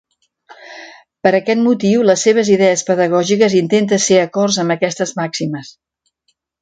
Per aquest motiu, les seves idees pedagògiques intenten ser acords amb aquestes màximes.